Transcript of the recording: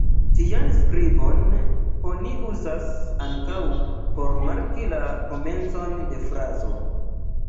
Tian skribon oni uzas ankaŭ por marki la komencon de frazo.